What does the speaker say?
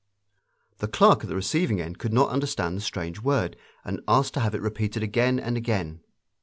The clerk at the receiving end could not understand the strange word, and asked to have it repeated again and again.